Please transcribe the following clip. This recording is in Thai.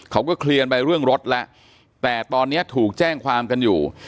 เขาก็เคลียร์ไปเรื่องรถแล้วแต่ตอนนี้ถูกแจ้งความกันอยู่